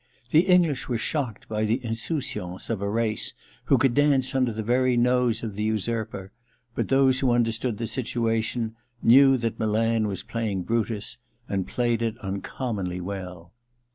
The English were shocked by the insouciance of a race who could dance under the very nose of the usurper ; but those who understood the situation knew that Milan was playing Brutus, and playing it un commonly well.